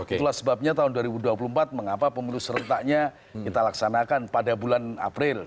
itulah sebabnya tahun dua ribu dua puluh empat mengapa pemilu serentaknya kita laksanakan pada bulan april